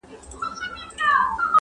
ځئ چي ځو او روانیږو لار اوږده د سفرونو -